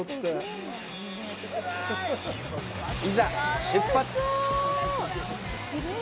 いざ、出発！！